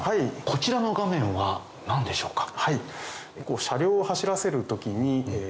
こちらの画面は何でしょうか？